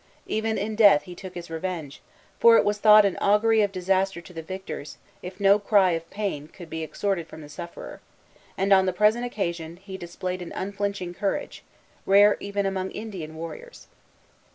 Even in death he took his revenge; for it was thought an augury of disaster to the victors, if no cry of pain could be extorted from the sufferer, and, on the present occasion, he displayed an unflinching courage, rare even among Indian warriors.